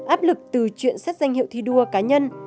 áp lực từ chuyện xét danh hiệu thi đua cá nhân